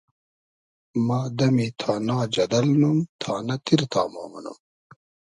ما دئمی تانا جئدئل نوم ، تانۂ تیر تامۉ مونوم